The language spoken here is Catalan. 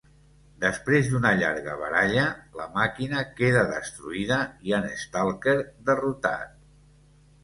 Després d'una llarga baralla, la màquina queda destruïda i en Stalker derrotat.